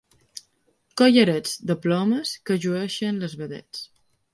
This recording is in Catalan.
Collarets de plomes que llueixen les vedets.